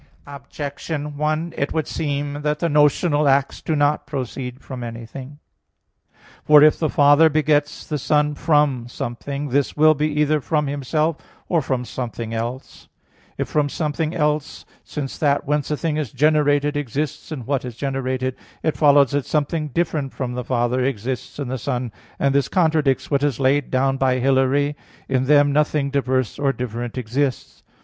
Objection 1: It would seem that the notional acts do not proceed from anything. For if the Father begets the Son from something, this will be either from Himself or from something else. If from something else, since that whence a thing is generated exists in what is generated, it follows that something different from the Father exists in the Son, and this contradicts what is laid down by Hilary (De Trin. vii) that, "In them nothing diverse or different exists."